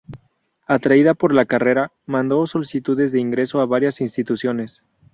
Atraída por la carrera, mandó solicitudes de ingreso a varias instituciones.